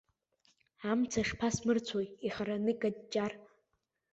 Амца шԥасмырцәои, ихараны икаҷҷар.